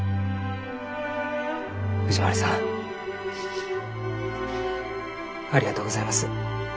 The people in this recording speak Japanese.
藤丸さんありがとうございます。